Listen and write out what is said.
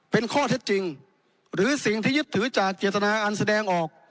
เป็นข้อเท็จจริงหรือสิ่งที่ยึดถือจากเจตนาอันแสดงออก